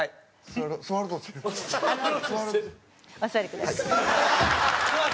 お座りください。